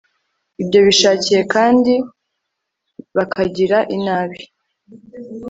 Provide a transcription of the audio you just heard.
ibyo bishakiye kandi bakagira inabi